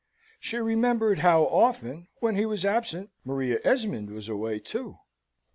She remembered how often, when he was absent, Maria Esmond was away too.